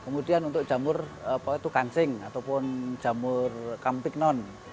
kemudian untuk jamur kansing ataupun jamur kampik non